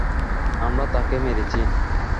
আমরা তাকে মেরেছি।